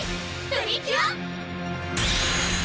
プリキュア！